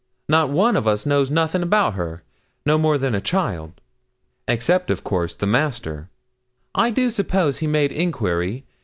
Not one of us knows nothing about her, no more than a child; except, of course, the Master I do suppose he made enquiry.